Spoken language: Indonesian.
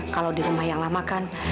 kalau di rumah yang lama kan